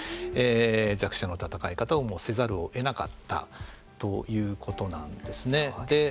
弱者の戦い方をせざるをえなかったということなんですね。